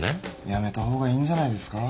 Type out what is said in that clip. やめた方がいいんじゃないですか？